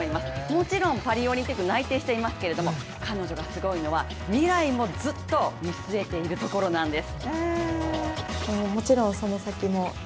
もちろん、パリオリンピック内定していますけれども、彼女がすごいのは未来もずっと見据えているところなんです。